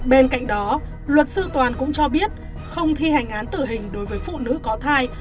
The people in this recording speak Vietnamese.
bên cạnh đó luật sư toàn cũng cho biết không thi hành án tử hình đối với phụ nữ có thai